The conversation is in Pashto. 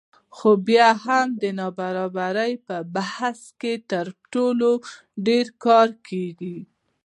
خو بیا هم د نابرابرۍ په بحث کې تر ټولو ډېر کارول کېږي